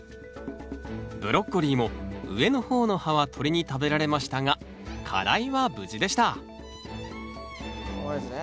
ブロッコリーも上の方の葉は鳥に食べられましたが花蕾は無事でしたここですね。